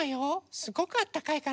すごくあったかいから。